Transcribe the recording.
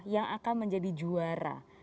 yang akan menjadi juara